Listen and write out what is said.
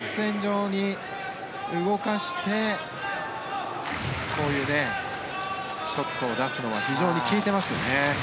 でも、このゆっくりとした特に対角線上に動かしてこういうショットを出すのは非常に効いていますよね。